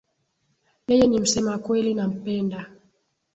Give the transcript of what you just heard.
Yeye ni msema kweli nampenda